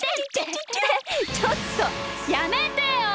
ちょっとやめてよ！